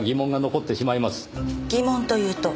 疑問というと？